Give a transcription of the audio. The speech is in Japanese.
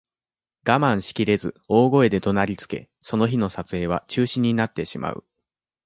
我慢しきれず、大声で怒鳴りつけ、その日の撮影は中止になってしまう。